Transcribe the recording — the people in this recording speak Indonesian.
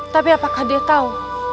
tapi apakah dia tahu